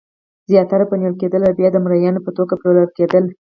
زیاتره به نیول کېدل او بیا د مریانو په توګه پلورل کېدل.